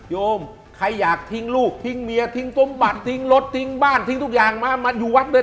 โยมใครอยากทิ้งลูกทิ้งเมียทิ้งสมบัติทิ้งรถทิ้งบ้านทิ้งทุกอย่างมามาอยู่วัดเลย